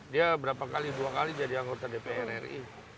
dia berapa kali dua kali jadi anggota dpr ri